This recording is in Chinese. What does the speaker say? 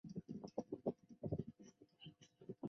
谢拉克人口变化图示